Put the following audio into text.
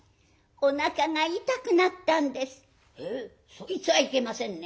そいつはいけませんね。